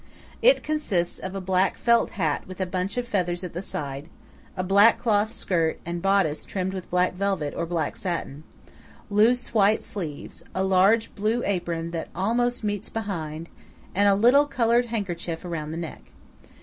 It consists of a black felt hat with a bunch of feathers at the side; a black cloth skirt and bodice trimmed with black velvet or black satin; loose white sleeves; a large blue apron that almost meets behind; and a little coloured handkerchief round the neck.